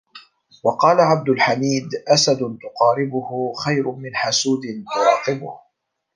وَقَالَ عَبْدُ الْحَمِيدِ أَسَدٌ تُقَارِبُهُ خَيْرٌ مِنْ حَسُودٍ تُرَاقِبُهُ